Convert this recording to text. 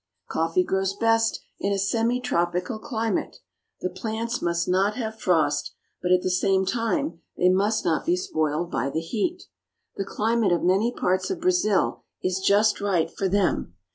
Coffee grows best in a semitropical climate. The plants must not have frost, but at the same time they must not be spoiled by the heat. The climate of many parts of Brazil is just right for them.